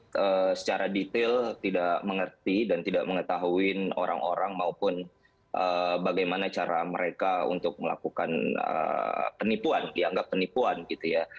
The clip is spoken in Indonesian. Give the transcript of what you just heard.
mereka secara detail tidak mengerti dan tidak mengetahui orang orang maupun bagaimana cara mereka untuk melakukan penipuan dianggap penipuan gitu ya